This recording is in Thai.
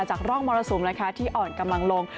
ร่องมรสุมที่อ่อนกำลังลง